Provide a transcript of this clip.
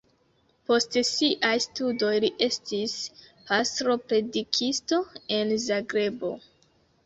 Post siaj studoj li estis pastro-predikisto en Zagrebo.